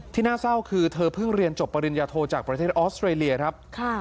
น่าเศร้าคือเธอเพิ่งเรียนจบปริญญาโทจากประเทศออสเตรเลียครับ